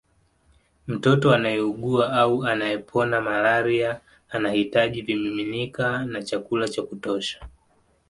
Mtoto anayeugua au anayepona malaria anahitaji vimiminika na chakula cha kutosha